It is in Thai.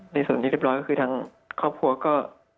ในส่วนที่เรียบร้อยก็คือทางครอบครัวก็